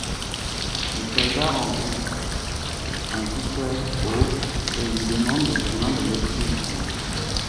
Les soldats rencontrent un tuteur au ' et lui demandent le chemin de Lexington.